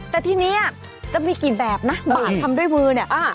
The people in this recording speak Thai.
แต่ทีนี้จะมีกี่แบบนะบาททำด้วยมือเนี่ย